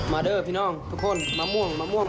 เด้อพี่น้องทุกคนมะม่วงมะม่วง